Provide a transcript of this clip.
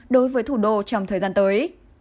đối với thủ đô trong thời gian tới